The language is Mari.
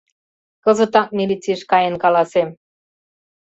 Кызытак милицийыш каен каласем.